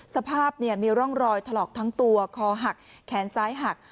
สภาพมีร่องรอยถลอกทั้งตัวคอหักแขนซ้ายหัก